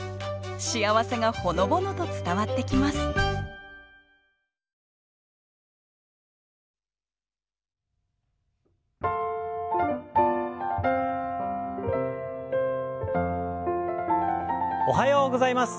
幸せがほのぼのと伝わってきますおはようございます。